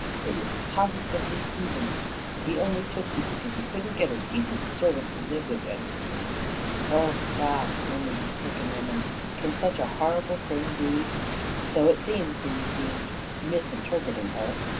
It was positively heathenish, and he only took you because he couldn't get a decent servant to live with him." "O God!" murmured the stricken woman. "Can such a horrible thing be?" "So it seems," he resumed, misinterpreting her.